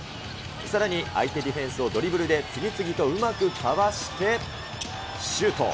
さらに相手ディフェンスをドリブルで次々とうまくかわして、シュート。